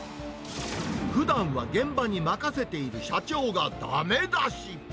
ふだんは現場に任せている社長がだめ出し。